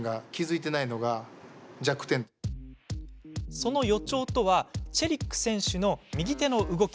その予兆とはチェリック選手の右手の動き。